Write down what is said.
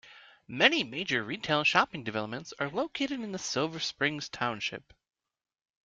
Many major retail shopping developments are located in Silver Spring township.